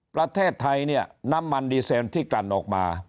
ประเทศไทยเนี่ยน้ำมันดีเซลที่กลั่นออกมา